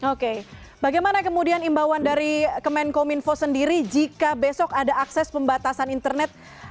oke bagaimana kemudian imbauan dari kemenkominfo sendiri jika besok ada akses pembatasan internet